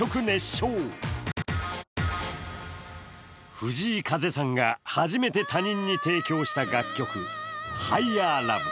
藤井風さんが初めて他人に提供した楽曲「ＨｉｇｈｅｒＬｏｖｅ」